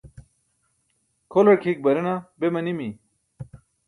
Kholar ke hik barena be manimi?